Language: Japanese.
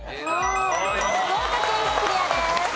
福岡県クリアです。